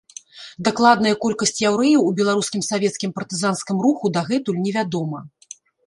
Дакладная колькасць яўрэяў у беларускім савецкім партызанскім руху дагэтуль невядома.